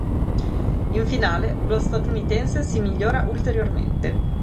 In finale lo statunitense si migliora ulteriormente.